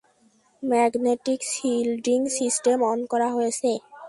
Magnetic shielding system on করা হয়েছে।